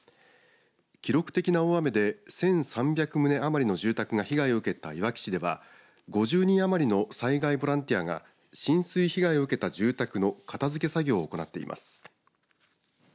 記録的な大雨で１３００棟余りの住宅が被害を受けたいわき市では５０人余りの災害ボランティアが浸水被害を受けた住宅の片づけ作業を行っています。